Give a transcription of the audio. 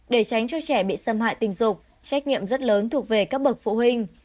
để tránh cho trẻ bị xâm hại tình dục trách nhiệm rất lớn thuộc về các bậc phụ huynh